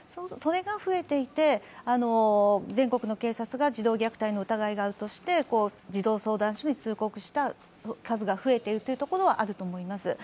それが増えていて、全国の警察が児童虐待の疑いがあるとして児童相談所に通告した数が増えているというところはあると思います。